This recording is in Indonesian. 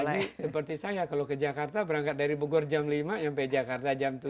apalagi seperti saya kalau ke jakarta berangkat dari bogor jam lima sampai jakarta jam tujuh